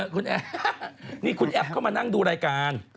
ที่นี่คุณแอฟเข้ามาดูรายการ